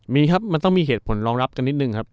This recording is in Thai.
มีครับมันต้องมีเหตุผลรองรับกันนิดนึงครับ